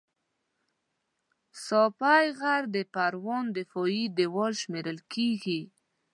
ساپی غر د پروان دفاعي دېوال شمېرل کېږي